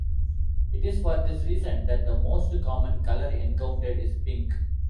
It is for this reason that the most common color encountered is pink.